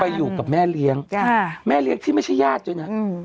อยู่กับแม่เลี้ยงแม่เลี้ยงที่ไม่ใช่ญาติด้วยนะ